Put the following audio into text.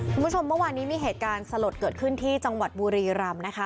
คุณผู้ชมเมื่อวานนี้มีเหตุการณ์สลดเกิดขึ้นที่จังหวัดบุรีรำนะคะ